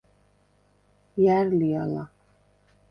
ჲა̈რ ლი ალა?